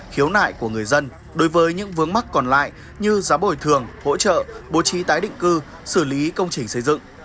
khiếu nại của người dân đối với những vướng mắc còn lại như giá bồi thường hỗ trợ bố trí tái định cư xử lý công trình xây dựng